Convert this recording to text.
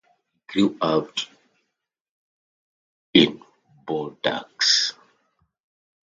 He grew up in Bordeaux.